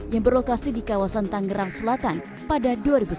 yang berlokasi di kawasan tangerang selatan pada dua ribu sebelas